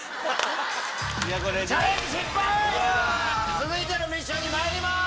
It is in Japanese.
続いてのミッションにまいります。